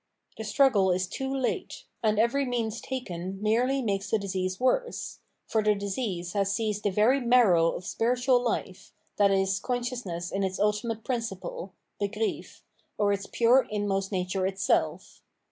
Tbe struggle is too late ; and every means taken merely makes tbe disease worse ; for tbe disease bas seized tbe very marrow of spiritual bfe, viz. con sciousness in its ultimate principle {Begriff), or its pure inmost nature itself.